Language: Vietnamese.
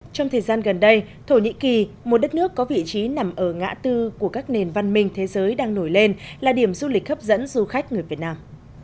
trong thời gian gần đây thổ nhĩ kỳ một đất nước có vị trí nằm ở ngã tư của các nền văn minh thế giới đang nổi lên là điểm du lịch hấp dẫn du khách người việt nam